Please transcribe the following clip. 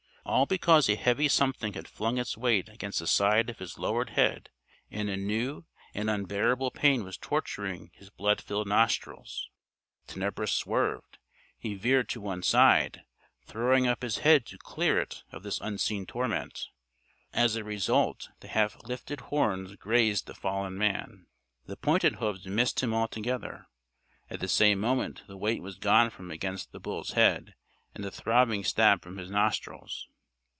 All because a heavy something had flung its weight against the side of his lowered head, and a new and unbearable pain was torturing his blood filled nostrils. Tenebris swerved. He veered to one side, throwing up his head to clear it of this unseen torment. As a result, the half lifted horns grazed the fallen man. The pointed hoofs missed him altogether. At the same moment the weight was gone from against the bull's head, and the throbbing stab from his nostrils.